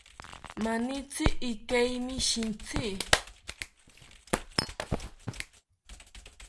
Manitzi ikeimi shintzi